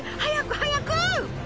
早く早く！